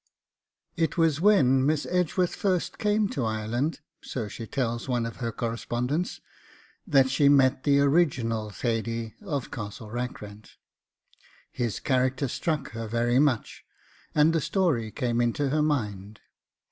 It was when Miss Edgeworth first came to Ireland, so she tells one of her correspondents, that she met the original Thady of CASTLE RACKRENT. His character struck her very much, and the story came into her mind.